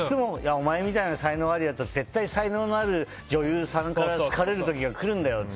お前みたいに才能があるやつは絶対に才能がある女優さんから好かれる時が来るんだよって。